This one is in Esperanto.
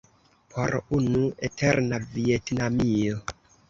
Por unu eterna Vjetnamio.